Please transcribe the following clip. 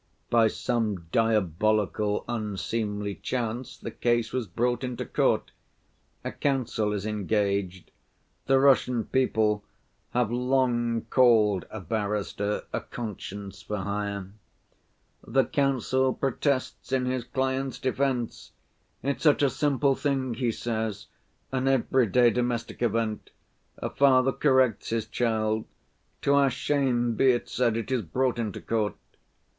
By some diabolical unseemly chance the case was brought into court. A counsel is engaged. The Russian people have long called a barrister 'a conscience for hire.' The counsel protests in his client's defense. 'It's such a simple thing,' he says, 'an everyday domestic event. A father corrects his child. To our shame be it said, it is brought into court.